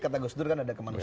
kata gus dur kan ada kemanusia